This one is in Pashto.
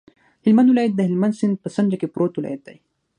هلمند ولایت د هلمند سیند په څنډه کې پروت ولایت دی.